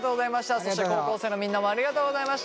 そして高校生のみんなもありがとうございました